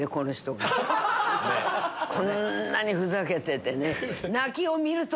こんなにふざけててね。